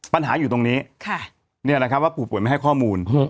ปัญหาอยู่ตรงนี้นี่แหละครับว่าผู้ป่วยไม่ให้ข้อมูล